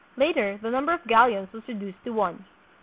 Later the num ber of galleons was reduced to one.